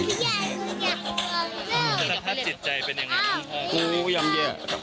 แต่ถ้าจิตใจเป็นยังไง